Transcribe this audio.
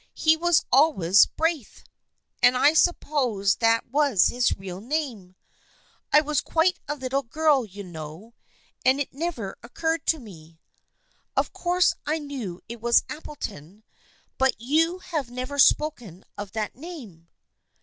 " He was always ' Braith/ and I supposed that was his real name, I was quite a little girl, you know, and it never occurred to me. Of course I knew it was Appleton, but you have never spoken of that name."